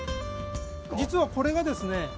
実はこれがですね